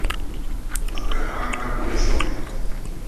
agahanga kuri sawuli